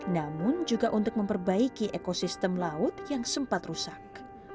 namun juga untuk memperbaiki ekosistem laut yang sempat rusak